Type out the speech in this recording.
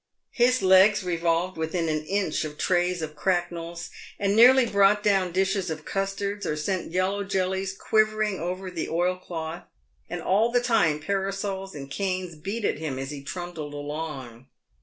His legs revolved within an inch of trays of cracknels, and nearly brought down dishes of custards, or sent yellow jellies quivering over the oilcloth, and all the time parasols and canes beat at him as he trundled along.